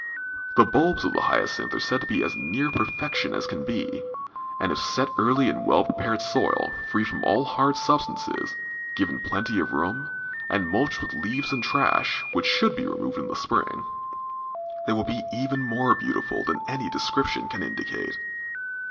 The bulbs of the hyacinths are said to be as near perfection as can be; and if set early in well prepared soil, free from all hard substances, given plenty of room, and mulched with leaves and trash, which should be removed in the spring, they will be even more beautiful than any description can indicate.